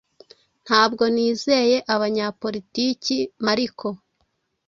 Ntabwo nizeye abanyapolitiki Mariko